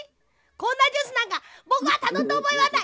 こんなジュースなんかぼくはたのんだおぼえはない！